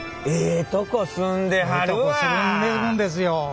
ええとこ住んでるんですよ。